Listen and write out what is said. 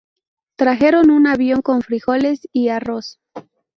Trajeron un avión con frijoles y arroz.